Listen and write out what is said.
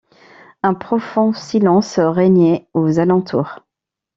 Un profond silence régnait aux alentours.